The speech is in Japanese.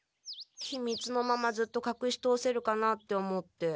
ひみつのままずっとかくし通せるかなって思って。